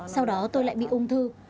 sau đó tôi lại bị ung thư